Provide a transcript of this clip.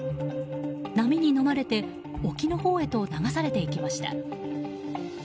波にのまれて沖のほうへと流されていきました。